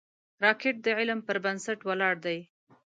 راکټ د علم پر بنسټ ولاړ دی